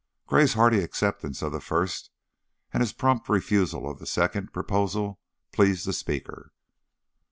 Gray's hearty acceptance of the first and his prompt refusal of the second proposal pleased the speaker.